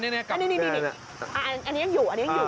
นี่อันนี้ยังอยู่